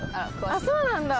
あっそうなんだ！